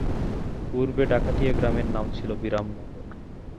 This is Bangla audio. পুর্বে ডাকাতিয়া গ্রামের নাম ছিল বিরামনগর।